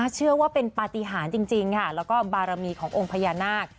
เชื่อว่าเป็นปฏิหารจริงค่ะแล้วก็บารมีขององค์พญานาค